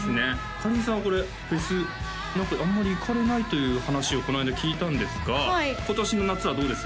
かりんさんはこれフェスあんまり行かれないという話をこの間聞いたんですが今年の夏はどうです？